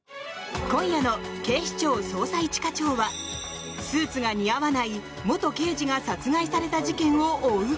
今夜の「警視庁・捜査一課長」はスーツが似合わない元刑事が殺害された事件を追う。